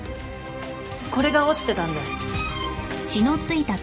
これが落ちてたんで。